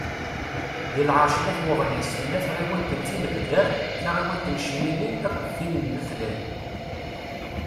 Deg lεerc n At Waɣlis, tella tɣiwant n Tinebdar, taɣiwant n Cmini, akked tin n Leflay.